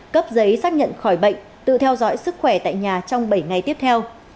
cấp giấy xác nhận khỏi bệnh tự theo dõi sức khỏe tại nhà trong bảy ngày tiếp theo